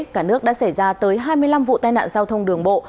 cả nước đã xảy ra tới hai mươi năm vụ tai nạn giao thông đường bộ